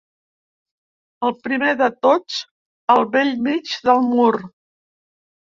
El primer de tots al bell mig del mur.